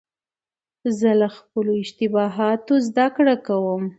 زه له خپلو اشتباهاتو زدهکړه کوم.